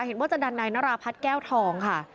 เห็นว่าจะดันนายนราพัฒน์แก้วทองค่ะ